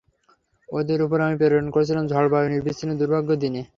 ওদের উপর আমি প্রেরণ করেছিলাম ঝড়-বায়ু নিরবচ্ছিন্ন দুর্ভাগ্যের দিনে।